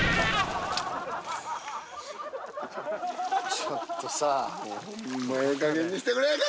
ちょっとさ。